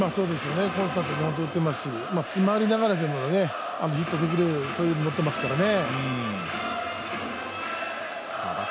コンスタントにちゃんと打ってますし詰まりながらでもいい感じで打つ、そういうものを持っていますからね。